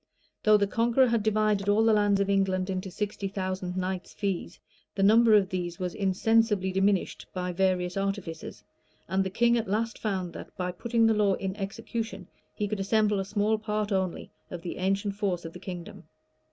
Though the Conqueror had divided all the lands of England into sixty thousand knights' fees, the number of these was insensibly diminished by various artifices; and the king at last found that, by putting the law in execution, he could assemble a small part only of the ancient force of the kingdom.